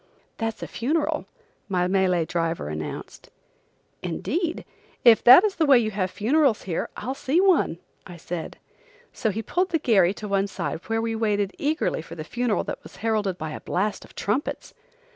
"That's a funeral," my Malay driver announced. "Indeed! If that is the way you have funerals here, I'll see one," I said. So he pulled the gharry to one side where we waited eagerly for a funeral that was heralded by a blast of trumpets.